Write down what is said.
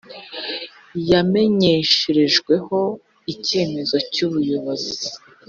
yamenyesherejweho icyemezo cy ubuyobozi